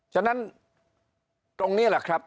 ฉะนั้นตรงนี้แหละครับ